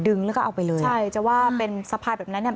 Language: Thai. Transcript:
แล้วก็เอาไปเลยใช่จะว่าเป็นสะพายแบบนั้นเนี่ย